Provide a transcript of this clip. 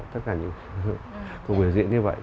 tất cả những cuộc biểu diễn như vậy